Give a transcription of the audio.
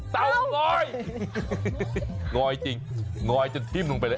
เตางอยงอยจริงงอยจนทิ่มลงไปเลย